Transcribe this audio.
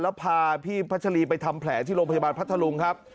แล้วพาพี่พัชรีไปทำแผลที่โรงพยาบาลพัทธลุงครับ